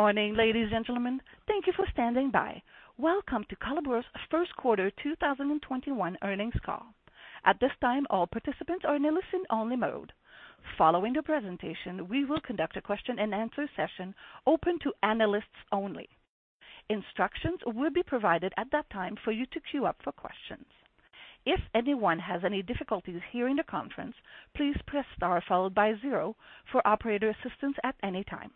Good morning, ladies and gentlemen. Thank you for standing by. Welcome to Colabor's first quarter 2021 earnings call. At this time, all participants are in listen-only mode. Following the presentation, we will conduct a question-and-answer session open to analysts only. Instructions will be provided at that time for you to queue up for questions. If anyone has any difficulties hearing the conference, please press star followed by zero for operator assistance at any time.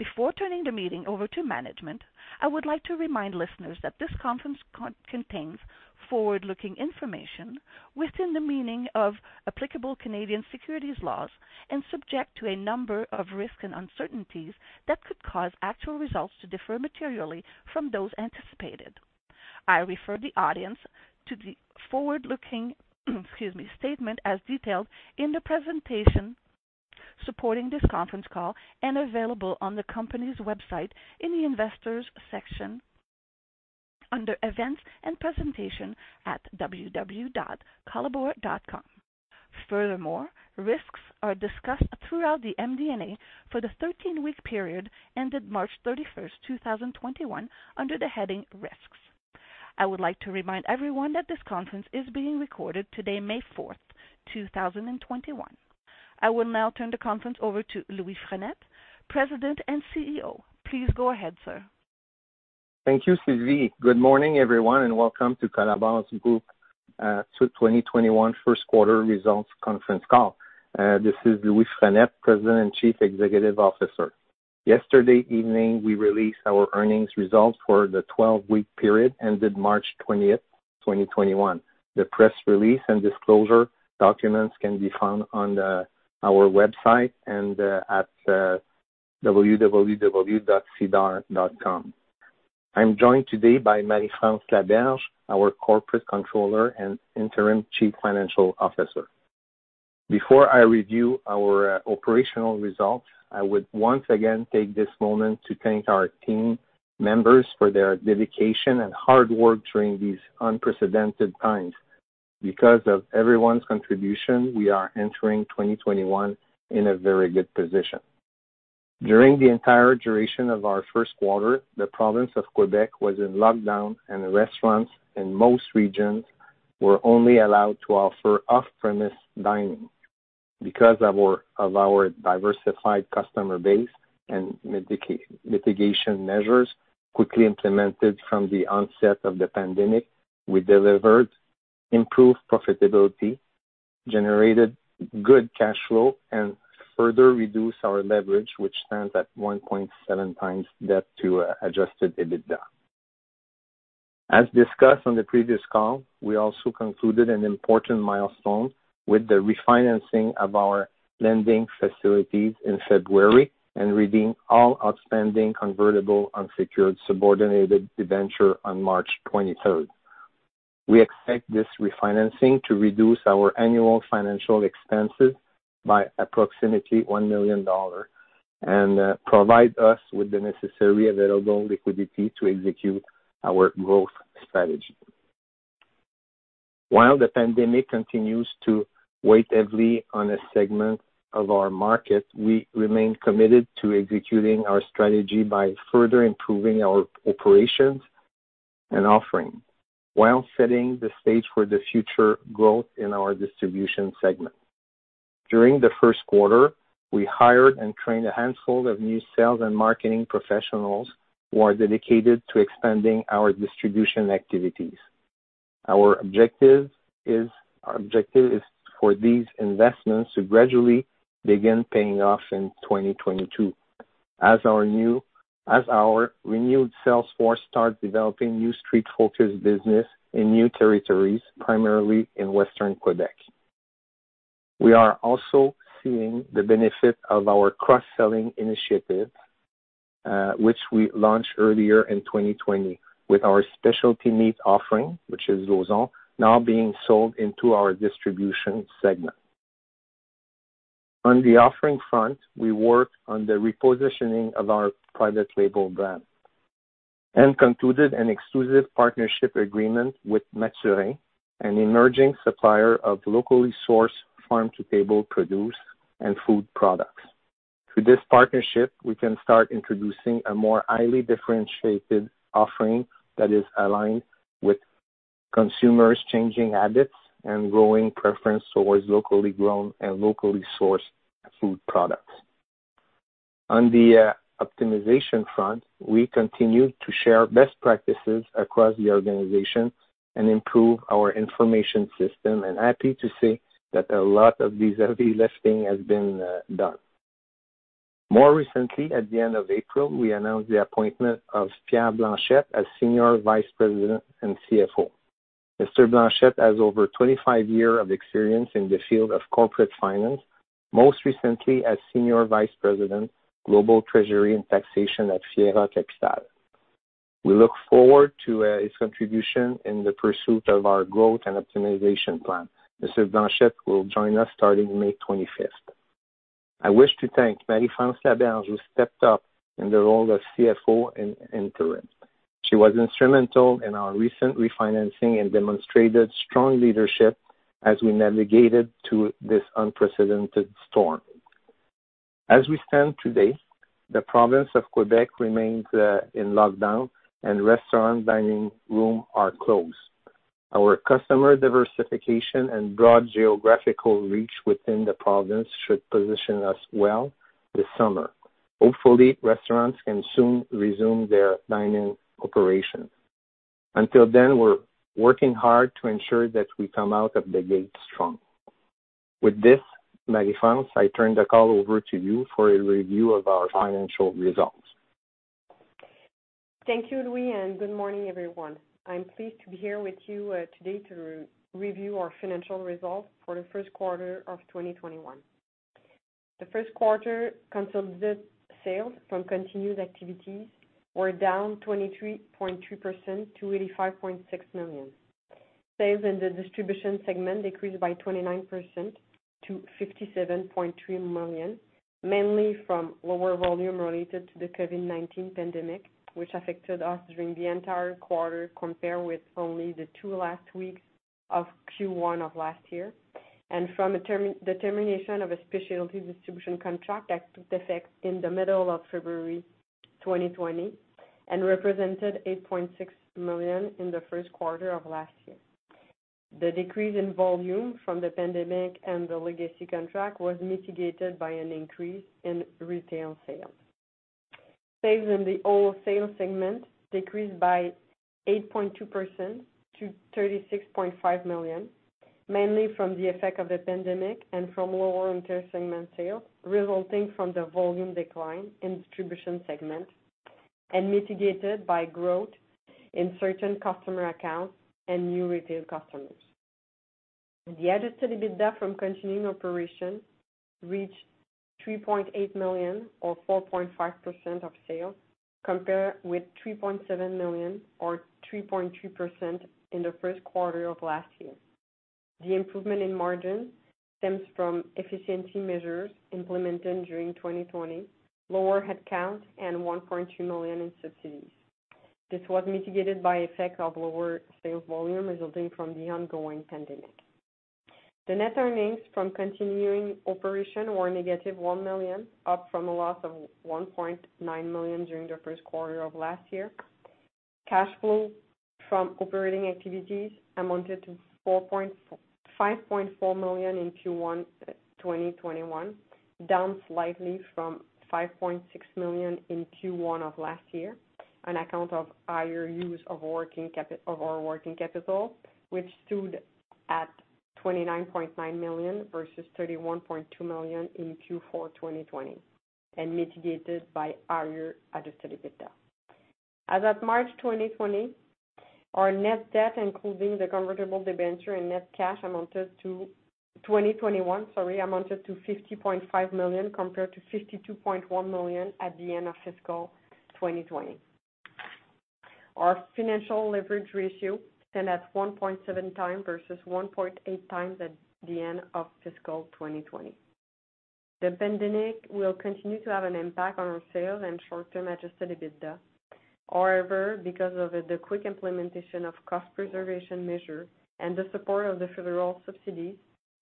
Before turning the meeting over to management, I would like to remind listeners that this conference contains forward-looking information within the meaning of applicable Canadian securities laws and subject to a number of risks and uncertainties that could cause actual results to differ materially from those anticipated. I refer the audience to the forward-looking excuse me, statement as detailed in the presentation supporting this conference call and available on the company's website in the Investors section under Events and Presentation at www.colabor.com. Risks are discussed throughout the MD&A for the 13-week period ended March 31st, 2021, under the heading Risks. I would like to remind everyone that this conference is being recorded today, May 4th, 2021. I will now turn the conference over to Louis Frenette, President and CEO. Please go ahead, sir. Thank you, Sylvie. Good morning, everyone, and welcome to Colabor Group 2021 first quarter results conference call. This is Louis Frenette, President and Chief Executive Officer. Yesterday evening, we released our earnings results for the 12-week period ended March 20th, 2021. The press release and disclosure documents can be found on our website and at www.sedar.com. I am joined today by Marie-France Laberge, our Corporate Controller and Interim Chief Financial Officer. Before I review our operational results, I would once again take this moment to thank our team members for their dedication and hard work during these unprecedented times. Because of everyone's contribution, we are entering 2021 in a very good position. During the entire duration of our first quarter, the province of Quebec was in lockdown and the restaurants in most regions were only allowed to offer off-premise dining. Because of our diversified customer base and mitigation measures quickly implemented from the onset of the pandemic, we delivered improved profitability, generated good cash flow, and further reduced our leverage, which stands at 1.7x debt to adjusted EBITDA. As discussed on the previous call, we also concluded an important milestone with the refinancing of our lending facilities in February and redeemed all outstanding convertible unsecured subordinated debenture on March 23rd. We expect this refinancing to reduce our annual financial expenses by approximately 1 million dollars and provide us with the necessary available liquidity to execute our growth strategy. While the pandemic continues to weigh heavily on a segment of our market, we remain committed to executing our strategy by further improving our operations and offering while setting the stage for the future growth in our distribution segment. During the first quarter, we hired and trained a handful of new sales and marketing professionals who are dedicated to expanding our distribution activities. Our objective is for these investments to gradually begin paying off in 2022 as our renewed sales force starts developing new street-focused business in new territories, primarily in Western Quebec. We are also seeing the benefit of our cross-selling initiative, which we launched earlier in 2020 with our specialty meat offering, which is Lauzon, now being sold into our distribution segment. On the offering front, we worked on the repositioning of our private label brand and concluded an exclusive partnership agreement with Maturin, an emerging supplier of locally sourced farm-to-table produce and food products. Through this partnership, we can start introducing a more highly differentiated offering that is aligned with consumers' changing habits and growing preference towards locally grown and locally sourced food products. On the optimization front, we continue to share best practices across the organization and improve our information system. I'm happy to say that a lot of this heavy lifting has been done. More recently, at the end of April, we announced the appointment of Pierre Blanchette as Senior Vice President and CFO. Mr. Blanchette has over 25 years of experience in the field of corporate finance, most recently as Senior Vice President, Global Treasury and Taxation at Fiera Capital. We look forward to his contribution in the pursuit of our growth and optimization plan. Mr. Blanchette will join us starting May 25th. I wish to thank Marie-France Laberge, who stepped up in the role of Interim CFO. She was instrumental in our recent refinancing and demonstrated strong leadership as we navigated through this unprecedented storm. As we stand today, the province of Quebec remains in lockdown and restaurant dining rooms are closed. Our customer diversification and broad geographical reach within the province should position us well this summer. Hopefully, restaurants can soon resume their dine-in operations. Until then, we're working hard to ensure that we come out of the gate strong. With this, Marie-France, I turn the call over to you for a review of our financial results. Thank you, Louis, and good morning, everyone. I'm pleased to be here with you today to review our financial results for the first quarter of 2021. The first quarter consolidated sales from continued activities were down 23.3% to 85.6 million. Sales in the distribution segment decreased by 29% to 57.3 million, mainly from lower volume related to the COVID-19 pandemic, which affected us during the entire quarter compared with only the two last weeks of Q1 of last year, and from the termination of a specialty distribution contract that took effect in the middle of February 2020 and represented 8.6 million in the first quarter of last year. The decrease in volume from the pandemic and the legacy contract was mitigated by an increase in retail sales. Sales in the wholesale segment decreased by 8.2% to 36.5 million, mainly from the effect of the pandemic and from lower inter-segment sales, resulting from the volume decline in distribution segment, and mitigated by growth in certain customer accounts and new retail customers. The adjusted EBITDA from continuing operations reached 3.8 million or 4.5% of sales, compared with 3.7 million or 3.2% in the first quarter of last year. The improvement in margin stems from efficiency measures implemented during 2020, lower headcount, and 1.2 million in subsidies. This was mitigated by effect of lower sales volume resulting from the ongoing pandemic. The net earnings from continuing operation were negative 1 million, up from a loss of 1.9 million during the first quarter of last year. Cash flow from operating activities amounted to 5.4 million in Q1 2021, down slightly from 5.6 million in Q1 of last year, on account of higher use of our working capital, which stood at 29.9 million versus 31.2 million in Q4 2020 and mitigated by higher adjusted EBITDA. As of March 2021, our net debt including the convertible debenture and net cash amounted to 50.5 million compared to 52.1 million at the end of fiscal 2020. Our financial leverage ratio stand at 1.7x versus 1.8x at the end of fiscal 2020. The pandemic will continue to have an impact on our sales and short-term adjusted EBITDA. Because of the quick implementation of cost preservation measure and the support of the federal subsidies,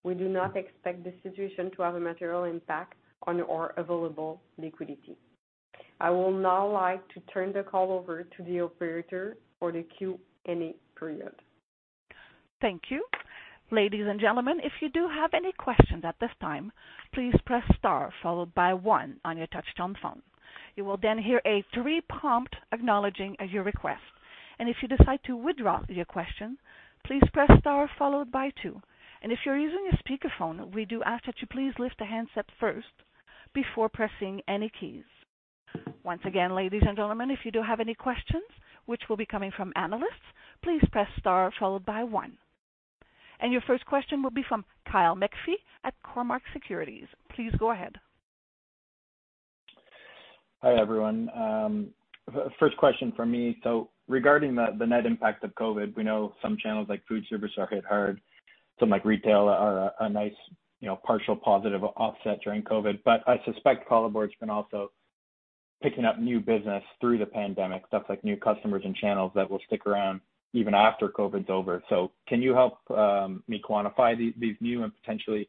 we do not expect this situation to have a material impact on our available liquidity. I will now like to turn the call over to the operator for the Q&A period. Thank you. Ladies and gentlemen, if you do have any questions at this time, please press star followed by one on your touch-tone phone. You will hear a three prompt acknowledging your request. If you decide to withdraw your question, please press star followed by two. If you're using a speakerphone, we do ask that you please lift the handset first before pressing any keys. Once again, ladies and gentlemen, if you do have any questions, which will be coming from analysts, please press star followed by one. Your first question will be from Kyle McPhee at Cormark Securities. Please go ahead. Hi, everyone. First question from me. Regarding the net impact of COVID, we know some channels like food service are hit hard, some like retail are a nice partial positive offset during COVID. I suspect Colabor has been also picking up new business through the pandemic, stuff like new customers and channels that will stick around even after COVID's over. Can you help me quantify these new and potentially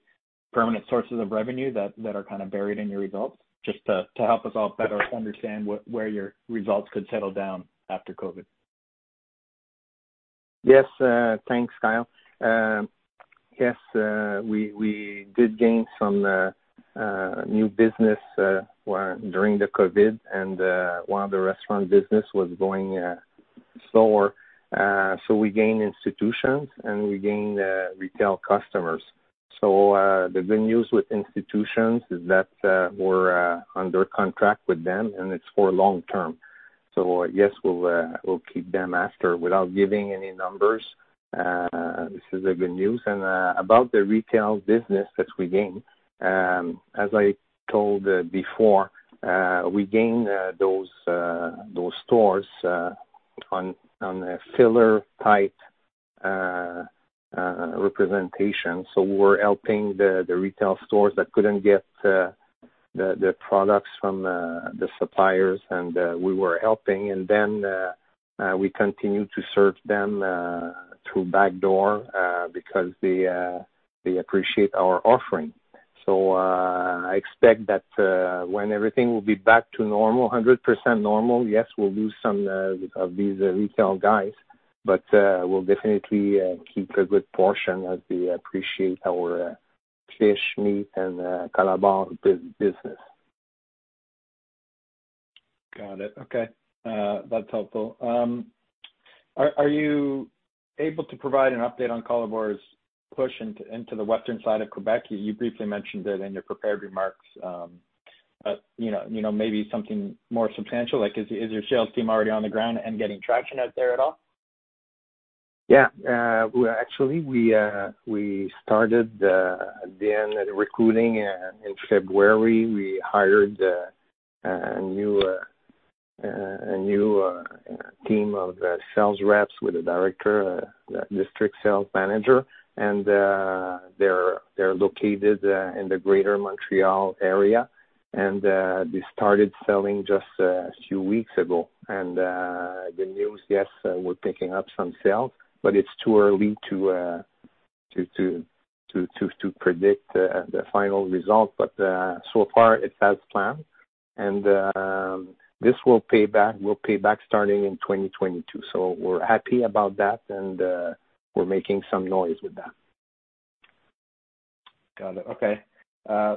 permanent sources of revenue that are kind of buried in your results just to help us all better understand where your results could settle down after COVID? Thanks, Kyle. Yes, we did gain some new business during the COVID while the restaurant business was going slower. We gained institutions, and we gained retail customers. The good news with institutions is that we're under contract with them, and it's for long-term. Yes, we'll keep them after. Without giving any numbers, this is the good news. About the retail business that we gained, as I told before, we gained those stores on a filler-type representation. We're helping the retail stores that couldn't get the products from the suppliers, and we were helping. We continued to serve them through backdoor because they appreciate our offering. I expect that when everything will be back to normal, 100% normal, yes, we'll lose some of these retail guys, but we'll definitely keep a good portion as they appreciate our fish, meat, and Colabor business. Got it. Okay. That's helpful. Are you able to provide an update on Colabor's push into the western side of Quebec? You briefly mentioned it in your prepared remarks, but maybe something more substantial. Is your sales team already on the ground and getting traction out there at all? Yeah. Well, actually, we started then the recruiting in February. We hired a new team of sales reps with a director, a district sales manager. They're located in the greater Montreal area, and they started selling just a few weeks ago. The news, yes, we're picking up some sales, but it's too early to predict the final result. So far it's as planned, and this will pay back starting in 2022. We're happy about that, and we're making some noise with that. Got it. Okay.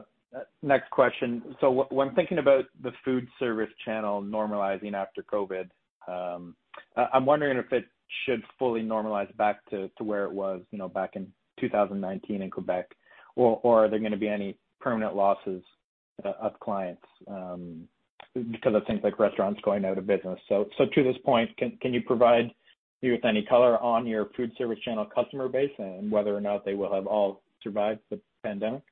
Next question. When thinking about the food service channel normalizing after COVID-19, I'm wondering if it should fully normalize back to where it was back in 2019 in Quebec, or are there going to be any permanent losses of clients because of things like restaurants going out of business? To this point, can you provide me with any color on your food service channel customer base and whether or not they will have all survived the pandemic?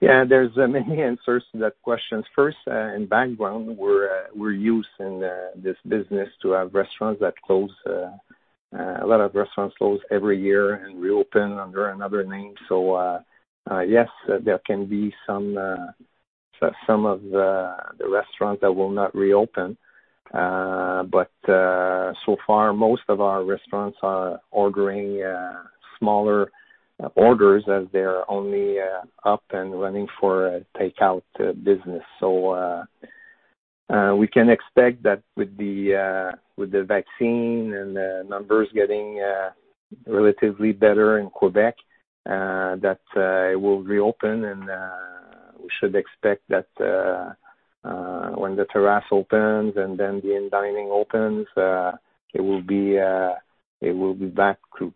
Yeah. There's many answers to that question. First, in background, we're used in this business to have restaurants that close. A lot of restaurants close every year and reopen under another name. Yes, there can be some of the restaurants that will not reopen. So far, most of our restaurants are ordering smaller orders as they're only up and running for takeout business. We can expect that with the vaccine and the numbers getting relatively better in Quebec, that it will reopen and we should expect that when the terrace opens and then the in-dining opens, it will be back to,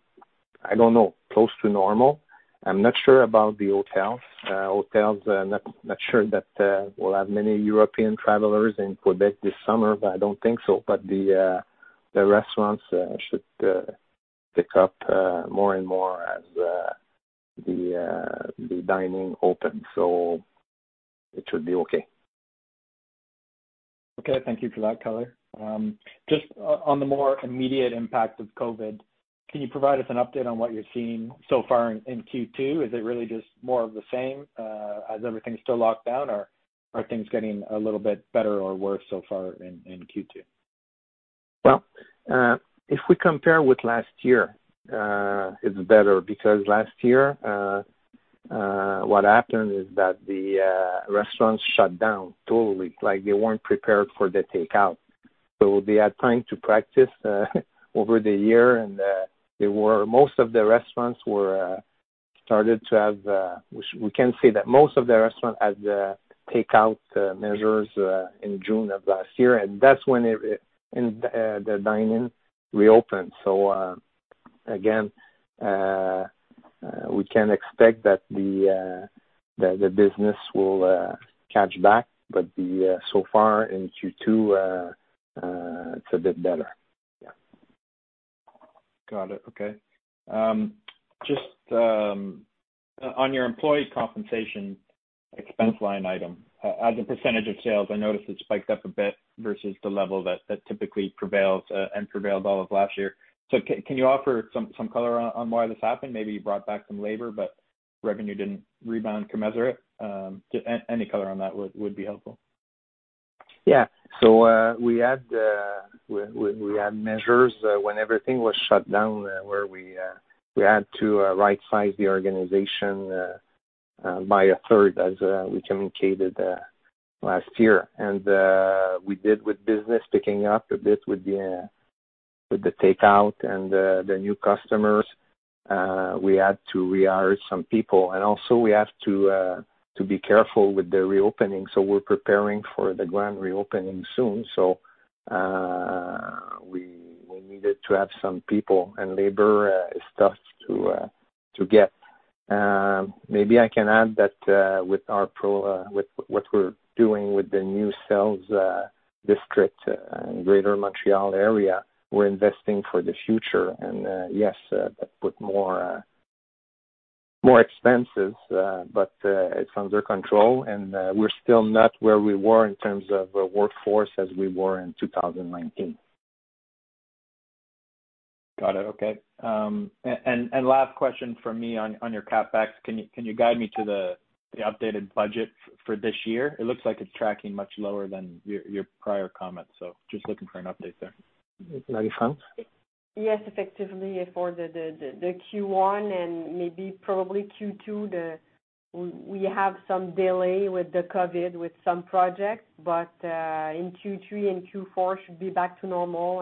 I don't know, close to normal. I'm not sure about the hotels. Hotels, I'm not sure that we'll have many European travelers in Quebec this summer, but I don't think so. The restaurants should pick up more and more as the dining opens. It should be okay. Okay. Thank you for that color. Just on the more immediate impact of COVID-19, can you provide us an update on what you're seeing so far in Q2? Is it really just more of the same, as everything's still locked down, or are things getting a little bit better or worse so far in Q2? Well, if we compare with last year, it's better because last year, what happened is that the restaurants shut down totally. They weren't prepared for the takeout. They had time to practice over the year, and We can say that most of the restaurants had takeout measures in June of last year, and that's when the dine-in reopened. Again, we can expect that the business will catch back, but so far in Q2, it's a bit better. Yeah. Got it. Okay. Just on your employee compensation expense line item, as a percentage of sales, I noticed it spiked up a bit versus the level that typically prevails and prevailed all of last year. Can you offer some color on why this happened? Maybe you brought back some labor, but revenue didn't rebound commensurate. Any color on that would be helpful. Yeah. We had measures when everything was shut down where we had to right-size the organization by a third, as we communicated last year. We did, with business picking up a bit with the takeout and the new customers, we had to rehire some people. Also, we have to be careful with the reopening, so we're preparing for the grand reopening soon, so we needed to have some people. Labor is tough to get. Maybe I can add that with what we're doing with the new sales district in greater Montreal area, we're investing for the future. Yes, that put more expenses, but it's under control, and we're still not where we were in terms of workforce as we were in 2019. Got it. Okay. Last question from me on your CapEx. Can you guide me to the updated budget for this year? It looks like it's tracking much lower than your prior comments. Just looking for an update there. Marie-France? Yes. Effectively, for the Q1 and maybe Q2, we have some delay with the COVID-19 with some projects. In Q3 and Q4 should be back to normal.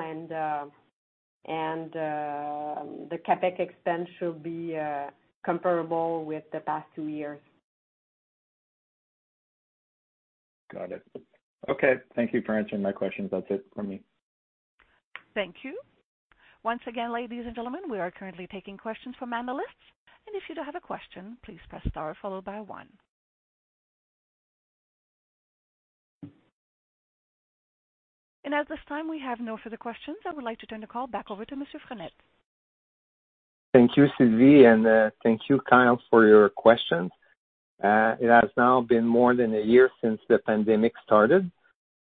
The CapEx expense should be comparable with the past two years. Got it. Okay. Thank you for answering my questions. That's it from me. Thank you. Once again, ladies and gentlemen, we are currently taking questions from analysts. If you do have a question, please press star followed by one. At this time, we have no further questions. I would like to turn the call back over to Mr. Frenette. Thank you, Sylvie, and thank you, Kyle, for your questions. It has now been more than a year since the pandemic started.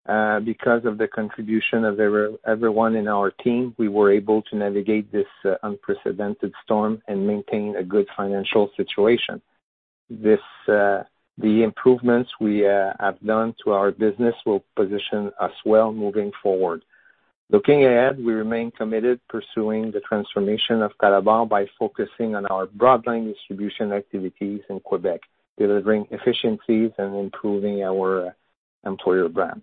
Because of the contribution of everyone in our team, we were able to navigate this unprecedented storm and maintain a good financial situation. The improvements we have done to our business will position us well moving forward. Looking ahead, we remain committed pursuing the transformation of Colabor by focusing on our broadline distribution activities in Quebec, delivering efficiencies and improving our employer brand.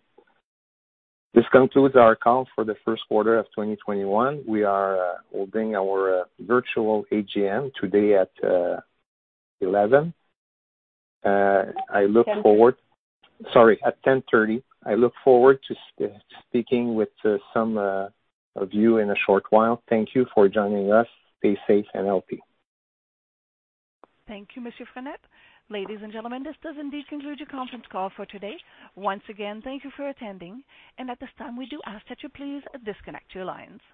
This concludes our call for the first quarter of 2021. We are holding our virtual AGM today at 11:00 A.M. 10:30 A.M. Sorry, at 10:30 A.M. I look forward to speaking with some of you in a short while. Thank you for joining us. Stay safe and healthy. Thank you, Mr. Frenette. Ladies and gentlemen, this does indeed conclude your conference call for today. Once again, thank you for attending, and at this time, we do ask that you please disconnect your lines.